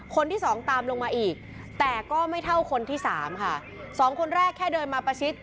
คนที่สองตามลงมาอีกแต่ก็ไม่เท่าคนที่สามค่ะสองคนแรกแค่เดินมาประชิด